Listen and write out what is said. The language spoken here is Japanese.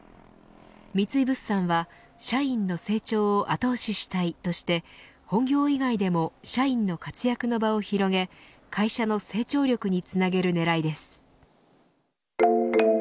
三井物産は社員の成長を後押ししたいとして本業以外でも社員の活躍の場を広げ会社の成長力につなげるねらいです。